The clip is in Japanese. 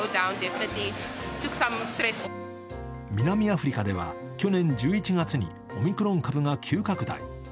南アフリカでは去年１１月にオミクロン株が急拡大。